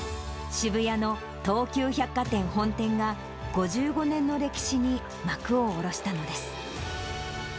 渋谷の東急百貨店本店が、５５年の歴史に幕を下ろしたのです。